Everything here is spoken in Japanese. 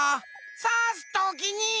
さすときに。